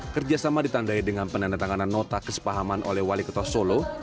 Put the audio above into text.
kerjasama ditandai dengan penandatanganan nota kesepahaman oleh wali kota solo